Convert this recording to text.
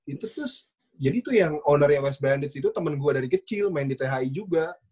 itu terus jadi tuh yang ownernya west bandits itu temen gue dari kecil main di thi juga